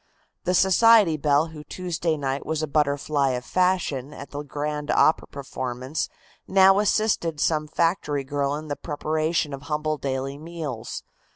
The society belle who Tuesday night was a butterfly of fashion at the grand opera performance now assisted some factory girl in the preparation of humble daily meals.